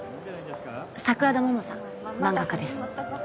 桜田桃さん漫画家です。